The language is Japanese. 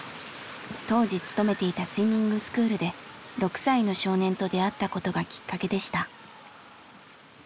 当時勤めていたスイミングスクールで６歳の少年と出会ったことがきっかけでした。